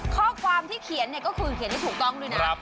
ข้อความที่เขียนเนี่ยก็คือเขียนให้ถูกต้องด้วยนะ